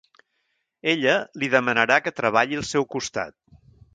Ella li demanarà que treballi al seu costat.